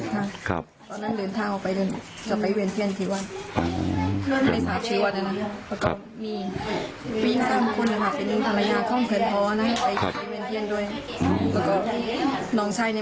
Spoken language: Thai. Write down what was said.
บังกับส้นในแม่เส้นแล้วก็บอกว่าใครนอนอย่างนึงเหรอว่า